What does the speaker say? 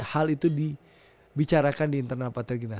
hal itu dibicarakan di internal partai gerindra